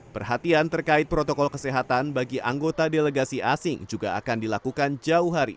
perhatian terkait protokol kesehatan bagi anggota delegasi asing juga akan dilakukan jauh hari